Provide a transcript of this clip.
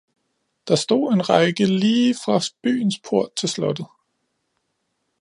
Der stod en række lige fra byens port til slottet